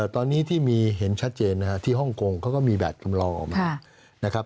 ตอนนี้ที่เห็นชัดเจนที่ฮ่องกงเขาก็มีแบบจำลองออกมา